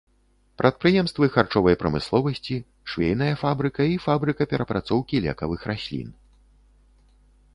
Прадпрыемствы харчовай прамысловасці, швейная фабрыка і фабрыка перапрацоўкі лекавых раслін.